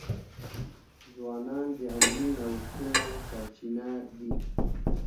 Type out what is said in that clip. ځوانان د علمي نوښتونو سرچینه دي.